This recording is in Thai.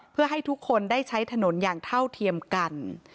เพื่อให้ทุกคนได้ใช้ถนนอย่างเท่าเทียมกัน